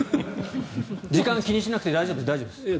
時間を気にしなくて大丈夫です。